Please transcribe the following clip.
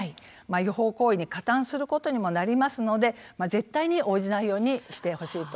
違法行為に加担することにもなりますので絶対に応じないようにしてほしいというふうに思います。